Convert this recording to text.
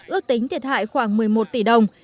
ước tính thiệt hại khoảng một mươi một tỷ đồng